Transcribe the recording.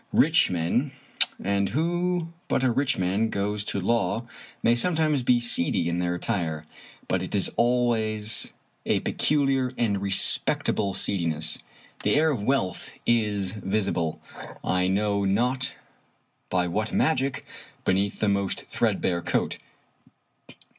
Rich men — ^and who but a rich man goes to law — may sometimes be seedy in their attire, but it is always a peculiar and respectable seediness. The air of wealth is visible, I know not by what magic, beneath the most threadbare coat.